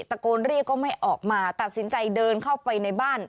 ตะโกนเรียกก็ไม่ออกมาตัดสินใจเดินเข้าไปในบ้าน